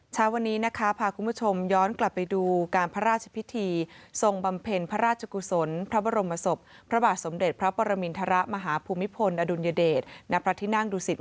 เช้าวันนี้นะคะพาคุณผู้ชมย้อนกลับไปดูการพระราชพิธีทรงบำเพ็ญพระราชกุศลพระบรมศพพระบาทสมเด็จพระปรมินทรมาฮภูมิพลอดุลยเดชณพระที่นั่งดูสิต